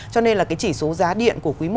cho nên là cái chỉ số giá điện của quý i